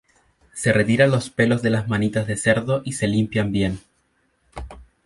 Se retiran los pelos de las manitas de cerdo y se limpian bien.